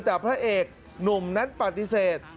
แต่พระเอกหนุ่มนั้นปฏิเสธ